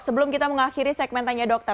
sebelum kita mengakhiri segmen tanya dokter